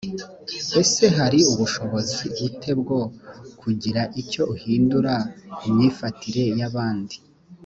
ese hari ubushobozi u te bwo kugira icyo uhindura ku myifatire y abandi